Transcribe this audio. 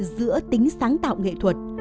giữa tính sáng tạo nghệ thuật